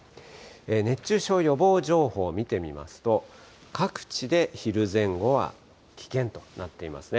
熱中症予防情報を見てみますと、各地で昼前後は危険となっていますね。